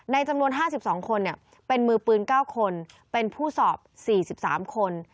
จำนวน๕๒คนเป็นมือปืน๙คนเป็นผู้สอบ๔๓คน